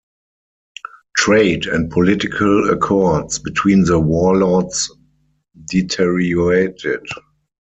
Trade and political accords between the warlords deteriorated.